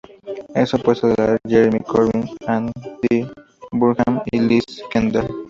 Es opuesta a la de Jeremy Corbyn, Andy Burnham y Liz Kendall.